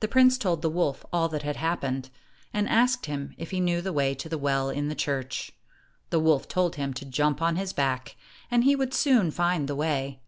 The prince told the wolf all that had hap pened, and asked him if he knew the way to the well in the church. The wolf told him to jump on his back, and he would soon find the way.